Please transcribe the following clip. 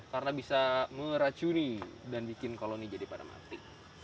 karena bisa meracuni dan bikin koloni jadi pada mati